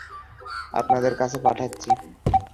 আপনাদের কাছে পাঠাচ্ছি।